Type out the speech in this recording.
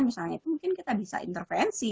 misalnya itu mungkin kita bisa intervensi